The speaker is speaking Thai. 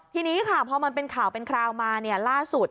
ทีนี้ข่าวมาเป็นข่าวเป็นคราวล่าสุด